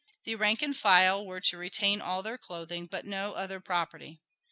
The rank and file were to retain all their clothing, but no other property.